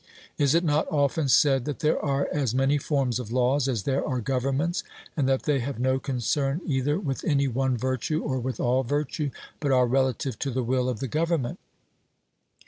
Is it not often said that there are as many forms of laws as there are governments, and that they have no concern either with any one virtue or with all virtue, but are relative to the will of the government?